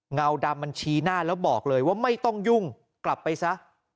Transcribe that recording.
เงาดำมันชี้หน้าแล้วบอกเลยว่าไม่ต้องยุ่งกลับไปซะ